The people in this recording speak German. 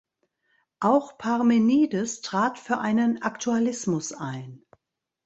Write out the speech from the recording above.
Auch Parmenides trat für einen Aktualismus ein.